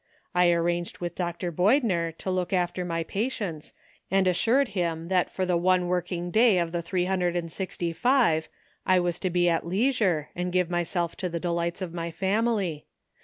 I arranged with Dr. 358 ANOTHER ''SIDE TRACK.'' Boydner to look after my patients, and assured him that for the one working day of the three hundred and sixty five I was to be at leisure, and give myself to the delights of my family.